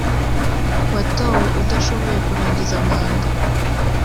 watowe udashoboye kurangiza manda